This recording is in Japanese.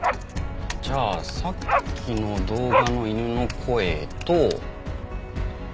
「」じゃあさっきの動画の犬の声と。